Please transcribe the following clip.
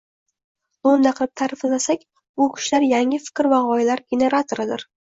Lo‘nda qilib ta’riflasak, bu kishilar yangi fikr va g‘oyalar generatoridir.